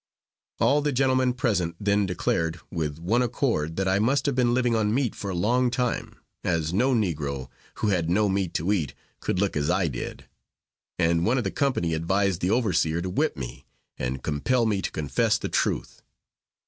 All the gentlemen present then declared, with one accord, that I must have been living on meat for a long time, as no negro, who had no meat to eat, could look as I did; and one of the company advised the overseer to whip me, and compel me to confess the truth.